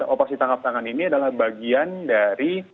operasi tangkap tangan ini adalah bagian dari